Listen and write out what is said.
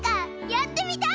やってみたい！